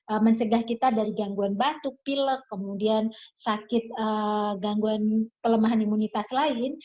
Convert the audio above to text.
untuk mencegah kita dari gangguan batuk pilek kemudian sakit gangguan pelemahan imunitas lain